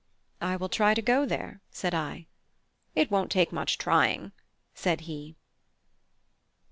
"I will try to go there," said I. "It won't take much trying," said he.